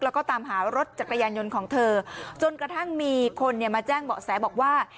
แล้วก็ตามหารถจักรยานยนต์ของเธอจนกระทั่งมีคนเนี่ยมาแจ้งเบาะแสบอกว่า